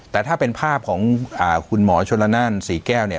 แต่ถ้าเป็นภาพของคุณหมอชนละนั่นศรีแก้วเนี่ย